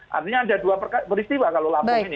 artinya ada dua peristiwa kalau lampung ini